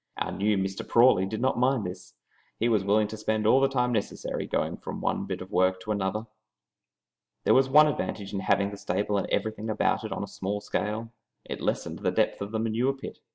Our new Mr. Prawley did not mind this. He was willing to spend all the time necessary going from one bit of work to another. There was one advantage in having the stable and everything about it on a small scale it lessened the depth of the manure pit.